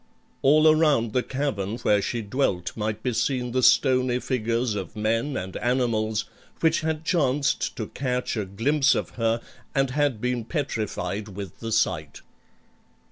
All around the cavern where she dwelt might be seen the stony figures of men and animals which had chanced to catch a glimpse of her and had been petrified with the sight.